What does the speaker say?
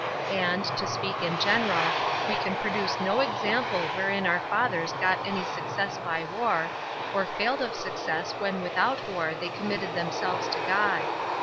And, to speak in general, we can produce no example wherein our fathers got any success by war, or failed of success when without war they committed themselves to God.